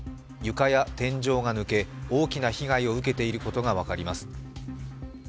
床や天井が抜け、大きな被害を受けていることが分かります。